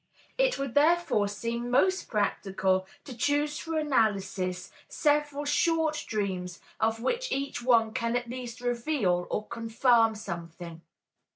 It would therefore seem most practical to choose for analysis several short dreams of which each one can at least reveal or confirm something.